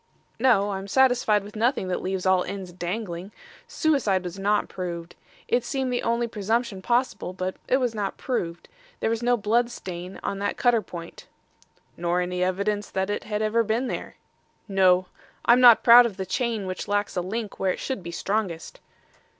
"No. I'm satisfied with nothing that leaves all ends dangling. Suicide was not proved. It seemed the only presumption possible, but it was not proved. There was no blood stain on that cutter point." "Nor any evidence that it had ever been there." "No. I'm not proud of the chain which lacks a link where it should be strongest."